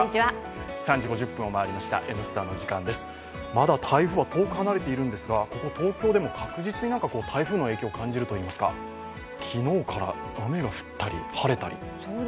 まだ台風は遠く離れているんですが、ここ、東京でも確実に台風の影響を感じるといいますか、昨日から雨が降ったり、晴れたり。